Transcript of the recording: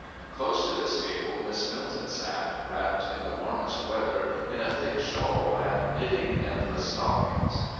Close to this table Miss Milton sat, wrapped, in the warmest weather, in a thick shawl and knitting endless stockings.